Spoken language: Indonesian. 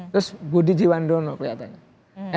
terus budi jiwandono kelihatannya